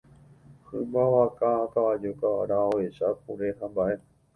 Hymba vaka, kavaju, kavara, ovecha, kure hamba'e